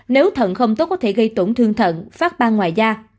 nếu thận không tốt có thể gây tổn thương thận phát bang ngoài da